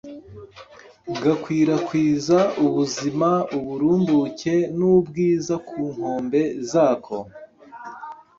gakwirakwiza ubuzima, uburumbuke n’ubwiza ku nkombe zako